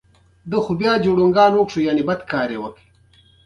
پابندی غرونه د افغانستان د طبعي سیسټم توازن ساتي.